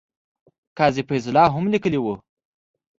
قاضي فیض الله هم لیکلي وو.